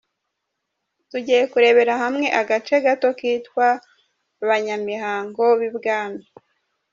Tugiye kurebera hamwe agace gato kitwa“Abanyamihango b’i Bwami”.